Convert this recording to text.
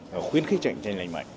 và khuyến khích cạnh tranh lành mạnh